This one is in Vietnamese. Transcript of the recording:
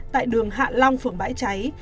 tại đường hạn long phường bãi cháy